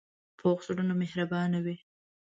پوخ زړونه مهربانه وي